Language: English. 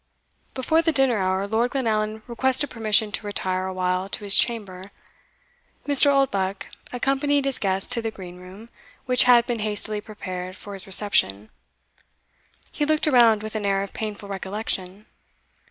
Before the dinner hour, Lord Glenallan requested permission to retire a while to his chamber. Mr. Oldbuck accompanied his guest to the Green Room, which had been hastily prepared for his reception. He looked around with an air of painful recollection.